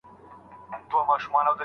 آیا پوهه تر ناپوهۍ روښانه ده؟